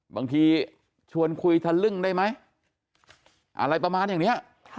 บางทีชวนคุยทะลึ่งได้ไหมอะไรประมาณอย่างนี้